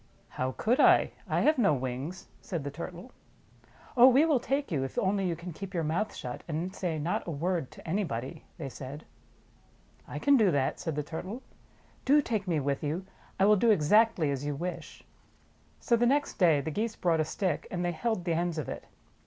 "How could I ? I have no wings," said the Turtle. "Oh, we will take you, if only you can keep your mouth 'shut, and say not a word to anybody," they said. "I can do that," said the Turtle. "Do take me with you. I will do exactly as you wish." 18 THE TALKING TURTLE So the next day the Geese brought a stick and they held the ends of it.